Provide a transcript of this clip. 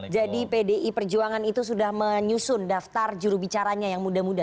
jadi pdi perjuangan itu sudah menyusun daftar jurubicaranya yang muda muda